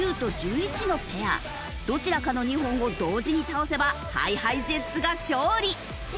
どちらかの２本を同時に倒せばＨｉＨｉＪｅｔｓが勝利。